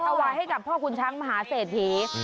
ถวายให้กับพ่อคุณช้างมหาเศรษฐี